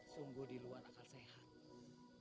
sungguh di luar akal sehat